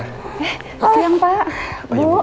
selamat siang pak